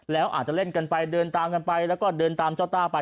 แล้วอาจจะเล่นกันไปเดินตามกันไปแล้วก็เดินตามเจ้าต้าไป